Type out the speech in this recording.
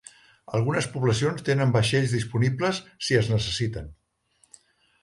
Algunes poblacions tenen vaixells disponibles si es necessiten.